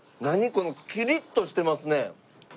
このキリッとしてますね。